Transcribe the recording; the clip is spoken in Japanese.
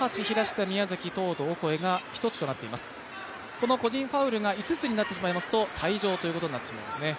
この個人ファウルが５つになってしまいますと、退場ということになってしまいます。